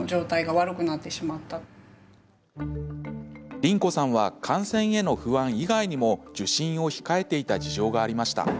りん子さんは感染への不安以外にも受診を控えていた事情がありました。